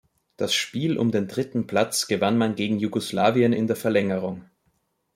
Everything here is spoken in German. Das Spiel um den dritten Platz gewann man gegen Jugoslawien in der Verlängerung.